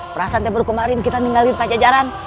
prasanta berkumarin kita ninggalin pajajaran